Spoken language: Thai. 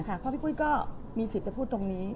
เพราะพี่ปุ้ยก็มีสิทธิ์จะพูดตรงนี้